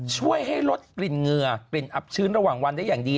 ช่วยให้ลดกลิ่นเหงื่อกลิ่นอับชื้นระหว่างวันได้อย่างดี